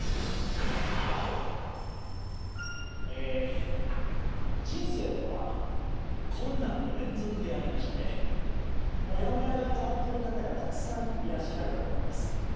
えぇ人生とは困難の連続でありましてもやもやがたまってる方がたくさんいらっしゃるかと思います。